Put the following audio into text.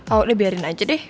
ayo deh biarin aja deh